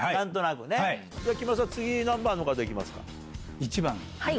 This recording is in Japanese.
木村さん次何番の方行きますか？